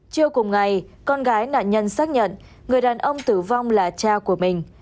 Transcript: trưa cùng ngày con gái nạn nhân xác nhận người đàn ông tử vong là cha của mình